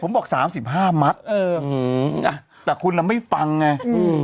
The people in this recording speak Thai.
ผมบอกสามสิบห้ามัดเอออืมอ่ะแต่คุณอ่ะไม่ฟังไงอืม